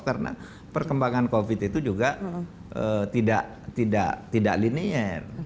karena perkembangan covid itu juga tidak linear